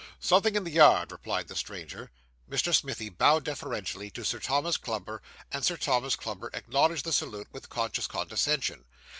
'Something in the yard,' replied the stranger. Mr. Smithie bowed deferentially to Sir Thomas Clubber; and Sir Thomas Clubber acknowledged the salute with conscious condescension.